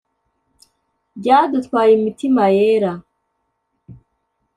byadutwaye imitima yera